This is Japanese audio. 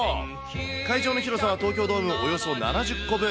会場の広さは東京ドームおよそ７０個分。